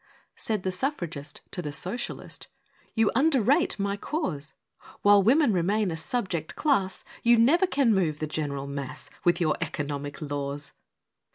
Said the Suffragist to the Socialist: "You underrate my Cause! While women remain a Subject Class, You never can move the General Mass, With your Economic Laws!"